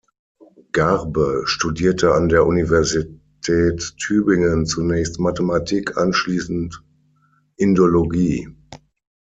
Garbe studierte an der Universität Tübingen zunächst Mathematik, anschließend Indologie.